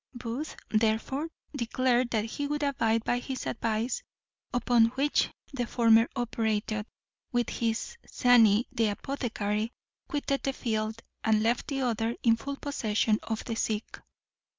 Booth therefore declared that he would abide by his advice, upon which the former operator, with his zany, the apothecary, quitted the field, and left the other in full possession of the sick.